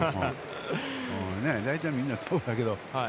大体、みんなそうだけど。